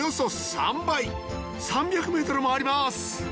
３００ｍもあります